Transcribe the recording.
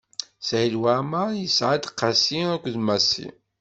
Saɛid Waɛmeṛ yesɛa-d: Qasi akked Massi.